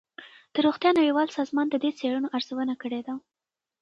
د روغتیا نړیوال سازمان د دې څېړنو ارزونه کړې ده.